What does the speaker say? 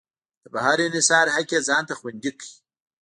د بهر انحصار حق یې ځان ته خوندي کړ.